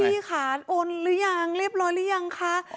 พี่ค่ะโอนหรือยังเรียบร้อยหรือยังคะ